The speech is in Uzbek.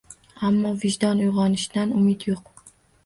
Ammo vijdon uyg`onishidan umid yo`q